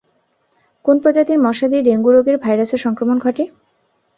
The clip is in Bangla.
কোন প্রজাতির মশা দিয়ে ডেঙ্গু রোগের ভাইরাসের সংক্রমণ ঘটে?